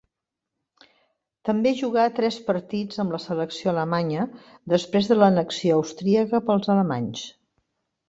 També jugà tres partits amb la selecció alemanya, després de l'annexió austríaca pels alemanys.